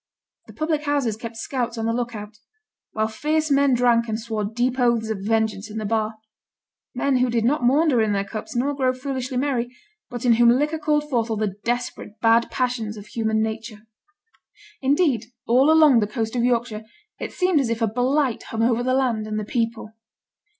The public houses kept scouts on the look out; while fierce men drank and swore deep oaths of vengeance in the bar men who did not maunder in their cups, nor grow foolishly merry, but in whom liquor called forth all the desperate, bad passions of human nature. Indeed, all along the coast of Yorkshire, it seemed as if a blight hung over the land and the people.